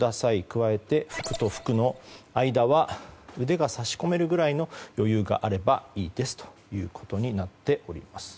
加えて、服と服の間は腕が差し込めるくらいの余裕があればいいですということになっております。